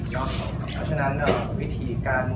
เพราะฉะนั้นวิธีการ